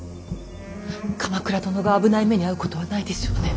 鎌倉殿が危ない目に遭うことはないでしょうね。